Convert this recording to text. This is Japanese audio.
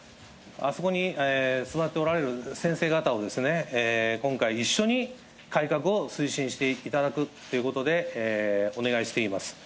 あそこに座っておられる先生方をですね、今回、一緒に改革を推進していただくっていうことで、お願いしています。